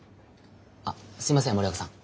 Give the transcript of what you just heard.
あっすいません森若さん。